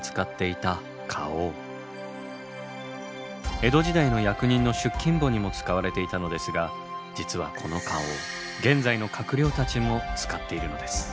江戸時代の役人の出勤簿にも使われていたのですが実はこの花押現在の閣僚たちも使っているのです。